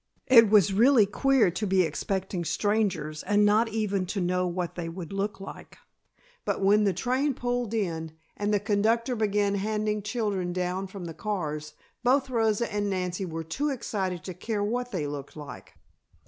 It was really queer to be expecting strangers and not even to know what they would look like, but when the train pulled in, and the conductor began handing children down from the cars, both Rosa and Nancy were too excited to care what they looked like.